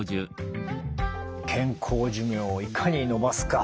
健康寿命をいかに延ばすか。